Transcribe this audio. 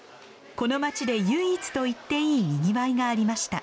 この街で唯一といっていいにぎわいがありました。